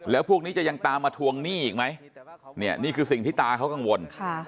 แล้วพวกนี้จะยังตามมาทวงหนี้อีกไหมเนี่ยนี่คือสิ่งที่ตาเขากังวล